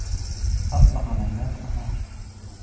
أطلق منّاد النّار.